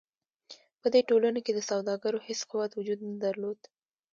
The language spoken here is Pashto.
په دې ټولنو کې د سوداګرو هېڅ قوت وجود نه درلود.